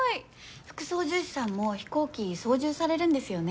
副操縦士さんも飛行機操縦されるんですよね？